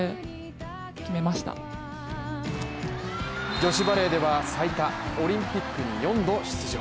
女子バレーでは最多、オリンピックに４度出場。